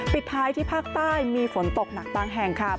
ปิดท้ายที่ภาคใต้มีฝนตกหนักบางแห่งค่ะ